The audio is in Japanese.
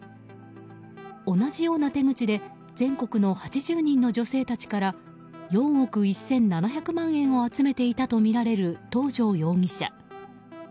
同じような手口で全国の８０人の女性たちから４億１７００万円を集めていたとみられる東條容疑者。